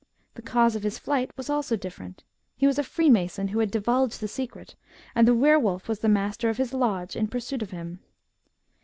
The cause of his flight was also different. He was a freemason who had divulged the secret, and the were wolf was the master of his lodge in pursuit of him.